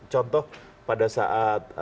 contoh pada saat